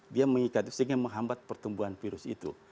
dia mengikat itu sehingga menghambat pertumbuhan virus itu